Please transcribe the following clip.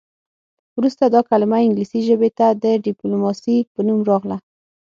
وروسته دا کلمه انګلیسي ژبې ته د ډیپلوماسي په نوم راغله